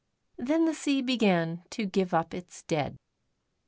Then the sea began to give up its dead.